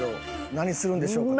何するんでしょうか？